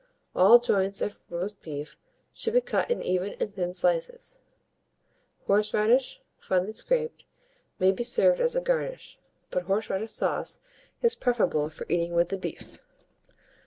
All joints of roast beef should be cut in even and thin slices. Horseradish, finely scraped, may be served as a garnish; but horseradish sauce is preferable for eating with the beef.